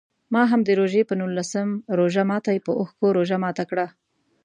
ما هم د روژې په نولسم روژه ماتي په اوښکو روژه ماته کړه.